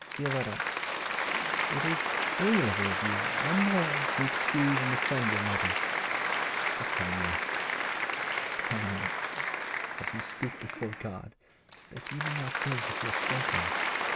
'Violetta, it is amiable of you, and loyal, to excuse and defend your mother, but tell me tell me, as you speak before God, that you do not think as you have spoken.